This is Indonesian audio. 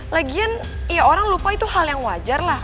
lagian ya orang lupa itu hal yang wajar lah